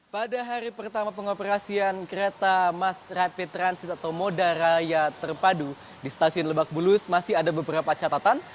pada hari pertama pengoperasian kereta mass rapid transit atau moda raya terpadu di stasiun lebak bulus masih ada beberapa catatan